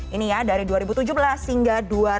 ini ya dari dua ribu tujuh belas hingga dua ribu dua